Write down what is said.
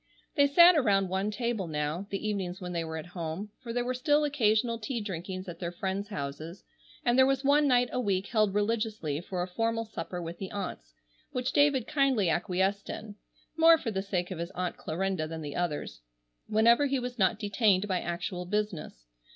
They sat around one table now, the evenings when they were at home, for there were still occasional tea drinkings at their friends' houses; and there was one night a week held religiously for a formal supper with the aunts, which David kindly acquiesced in—more for the sake of his Aunt Clarinda than the others,—whenever he was not detained by actual business.